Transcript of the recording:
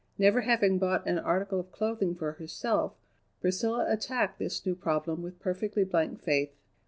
Never having bought an article of clothing for herself, Priscilla attacked this new problem with perfectly blank faith.